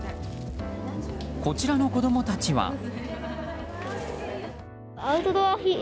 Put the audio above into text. こちらの子供たちは。